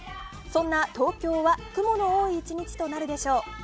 そんな東京は雲の多い１日となるでしょう。